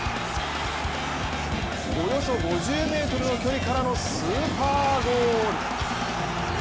およそ５０ｍの距離からのスーパーゴール。